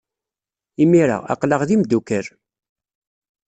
Imir-a, aql-aɣ d imeddukal.